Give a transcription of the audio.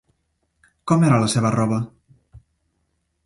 Com era la seva roba?